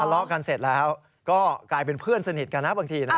เลาะกันเสร็จแล้วก็กลายเป็นเพื่อนสนิทกันนะบางทีนะ